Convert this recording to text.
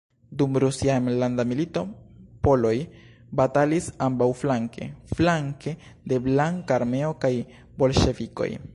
Dum Rusia Enlanda milito poloj batalis ambaŭflanke, flanke de Blanka armeo kaj bolŝevikoj.